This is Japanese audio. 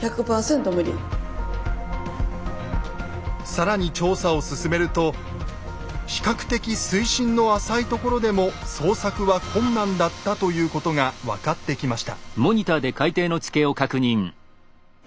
更に調査を進めると比較的水深の浅いところでも捜索は困難だったということが分かってきました。